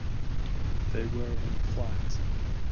They were in flight!